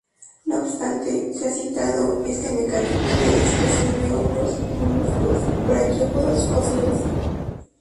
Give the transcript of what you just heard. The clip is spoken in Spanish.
No obstante, se ha citado este mecanismo de especiación en hongos, moluscos braquiópodos fósiles.